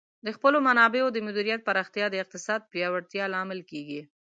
د خپلو منابعو د مدیریت پراختیا د اقتصاد پیاوړتیا لامل کیږي.